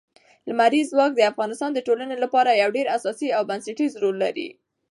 لمریز ځواک د افغانستان د ټولنې لپاره یو ډېر اساسي او بنسټيز رول لري.